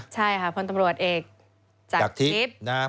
ใช่ค่ะคนตำรวจเอกจากทฤษฐ์